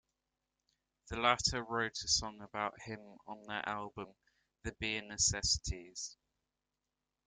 The latter wrote a song about him on their album "The Beer Necessities".